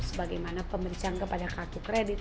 sebagaimana pemeriksaan kepada kartu kredit